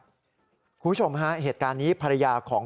คุณผู้ชมฮะเหตุการณ์นี้ภรรยาของ